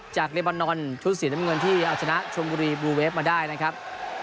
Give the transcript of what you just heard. จากเรบานอนชุดศิลป์เงินที่เอาชนะชมบุรีบลูเวฟมาได้นะครับ